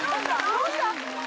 どうした？